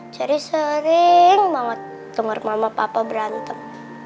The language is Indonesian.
cherry sering banget denger mama papa berantem